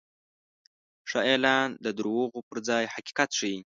ښه اعلان د دروغو پر ځای حقیقت ښيي.